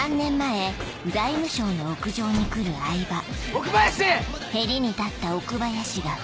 奥林！